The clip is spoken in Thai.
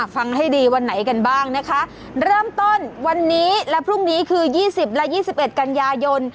ฟังให้ดีวันไหนกันบ้างนะคะเริ่มต้นวันนี้และพรุ่งนี้คือ๒๐และ๒๑กันยายน